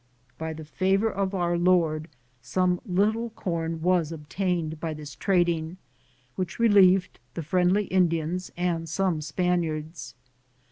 By the favor of Our Lord, soma little corn was obtained by this trading, which relieved the friendly Indians and some SpaniardB.